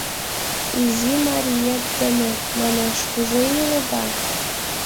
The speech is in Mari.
Изи мариет дене, манеш, кузе иледа?